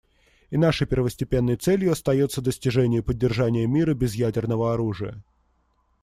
И нашей первостепенной целью остается достижение и поддержание мира без ядерного оружия.